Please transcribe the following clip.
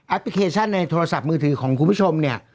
พลิเคชันในโทรศัพท์มือถือของคุณผู้ชมเนี่ย